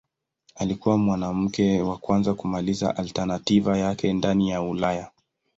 Alikuwa mwanamke wa kwanza kumaliza alternativa yake ndani ya Ulaya.